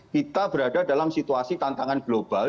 kita berada dalam situasi tantangan global